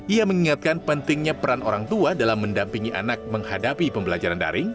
ia mengingatkan pentingnya peran orang tua dalam mendampingi anak menghadapi pembelajaran daring